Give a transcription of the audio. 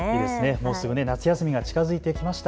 もうすぐ夏休みが近づいてきました。